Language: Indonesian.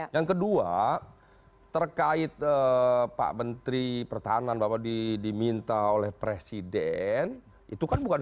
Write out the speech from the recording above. yang kedua terkait pak menteri pertahanan bahwa diminta oleh presiden itu kan bukan